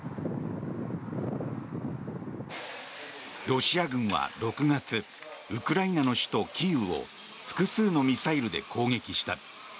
ロシア軍は６月ウクライナの首都キーウを複数のミサイルで攻撃した。